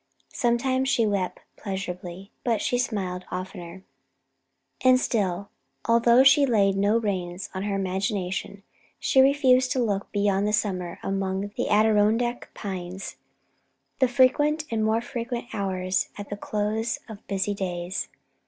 Sometimes she wept pleasurably, but she smiled oftener. And still, although she laid no reins on her imagination, she refused to look beyond the summer among the Adirondack pines, the frequent and more frequent hours at the close of busy days.